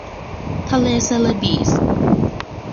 ทะเลเซเลบีส